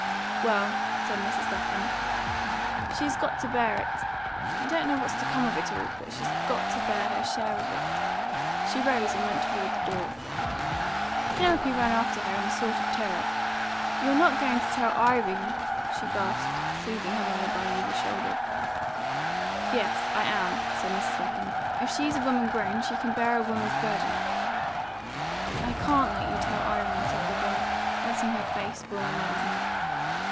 "Well," said Mrs. Lapham, "she has got to bear it. I don't know what's to come of it all. But she's got to bear her share of it." She rose and went toward the door. Penelope ran after her in a sort of terror. "You're not going to tell Irene?" she gasped, seizing her mother by either shoulder. "Yes, I am," said Mrs. Lapham. "If she's a woman grown, she can bear a woman's burden." "I can't let you tell Irene," said the girl, letting fall her face on her mother's neck.